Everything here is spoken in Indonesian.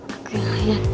aku yang liat